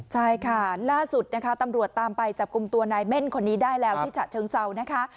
ใช่ค่ะล่าสุดนะคะตำรวจตามไปจับกลุ่มตัวนายเม่นคนนี้ได้แล้วที่ฉะเชิงเซานะคะ